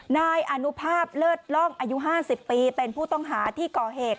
นายอนุภาพเลิศล่องอายุ๕๐ปีเป็นผู้ต้องหาที่ก่อเหตุ